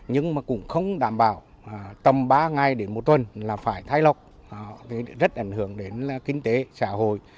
nhưng mà cũng không đảm bảo tầm ba ngày đến một tuần là phải thay lọc rất ảnh hưởng đến kinh tế xã hội